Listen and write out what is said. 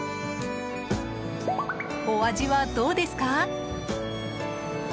お味はどうですか？